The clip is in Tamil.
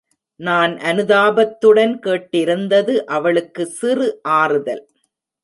நான் அனுதாபத்துடன் கேட்டிருந்தது அவளுக்கு சிறு ஆறுதல்.